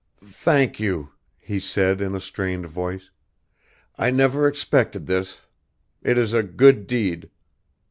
"Thank you," he said in a strained voice; "I never expected this. It is a good deed.